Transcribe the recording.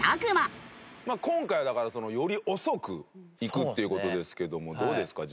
まあ今回はだからより遅くいくっていう事ですけどもどうですか？